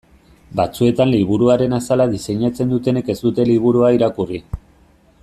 Batzuetan liburuaren azala diseinatzen dutenek ez dute liburua irakurri.